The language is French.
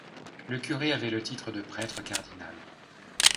Le curré avait le titre de prêtre cardinal.